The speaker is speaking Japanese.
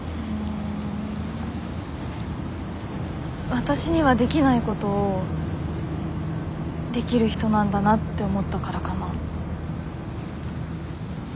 わたしにはできないことをできる人なんだなって思ったからかな。